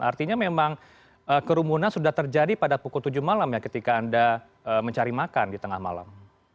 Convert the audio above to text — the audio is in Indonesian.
artinya memang kerumunan sudah terjadi pada pukul tujuh malam ya ketika anda mencari makan di tengah malam